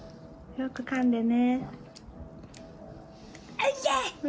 よくかんでね。